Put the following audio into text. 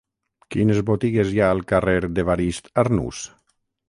Quines botigues hi ha al carrer d'Evarist Arnús?